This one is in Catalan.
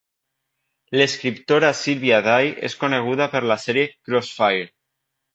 L'escriptora Sylvia Day és coneguda per la sèrie "Crossfire"